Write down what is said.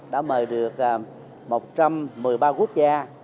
đã mời được một trăm một mươi ba quốc gia